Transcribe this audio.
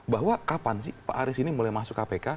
bahwa kapan sih pak arief ini mulai masuk kpk